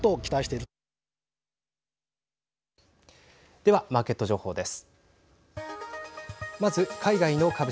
では、マーケット情報です。